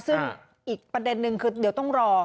ซึ่งอีกประเด็นนึงคือเดี๋ยวต้องรอ